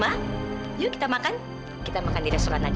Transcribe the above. ma yuk kita makan kita makan di restoran aja ya